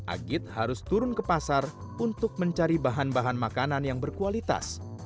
agit harus turun ke pasar untuk mencari bahan bahan makanan yang berkualitas